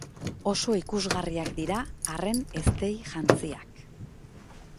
Oso ikusgarriak dira arren eztei-jantziak.